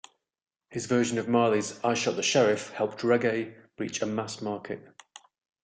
His version of Marley's "I Shot the Sheriff" helped reggae reach a mass market.